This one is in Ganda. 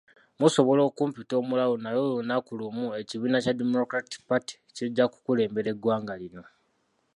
Musobola okumpita omulalu naye olunaku lumu ekibiina kya Democratic Party kijja kukulembera eggwanga lino.